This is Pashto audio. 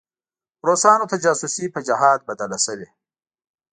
روسانو ته جاسوسي په جهاد بدله شوې.